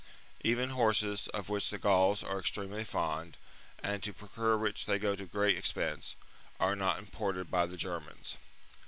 Even horses, of which the Gauls are extremely fond, and to procure which they go to great expense, are not imported by the Germans.